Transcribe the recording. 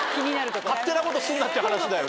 勝手なことすんなって話だよな。